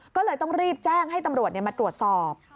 ก็เลยต้องรีบแจ้งให้ตำรวจมาตรวจสอบ